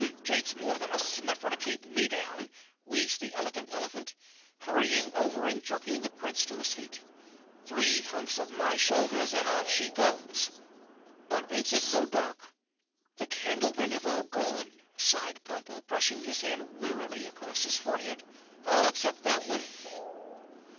"Takes more than a snuffer to keep me down," wheezed the Elegant Elephant, hurrying over and jerking the Prince to his feet. "Three humps of my shoulders and off she goes! What makes it so dark?" "The Candlemen have all gone," sighed Pompa, brushing his hand wearily across his forehead. "All except that one."